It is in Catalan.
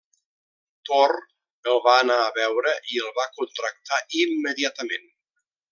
Torr el va anar a veure i el va contractar immediatament.